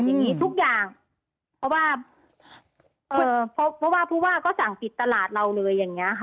อย่างนี้ทุกอย่างเพราะว่าก็สั่งปิดตลาดเราเลยอย่างนี้ค่ะ